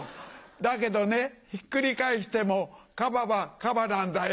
だけどねひっくり返してもカバはカバなんだよ。